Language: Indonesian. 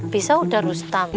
bisa uda rustam